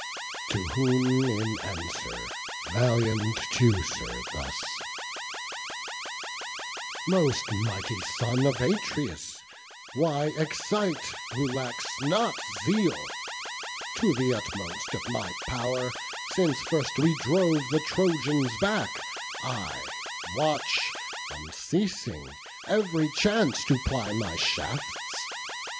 To whom in answer valiant Teucer thus: "Most mighty son of Atreus, why excite Who lacks not zeal? To th' utmost of my pow'r Since first we drove the Trojans back, I watch, Unceasing, every chance to ply my shafts.